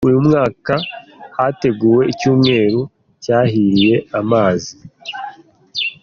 Uyu mwaka, hateguwe icyumweru cyahiriwe amazi